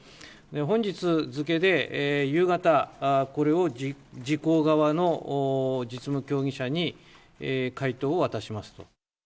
本日付で夕方、これを自公側の実務協議者に回答を渡しますと。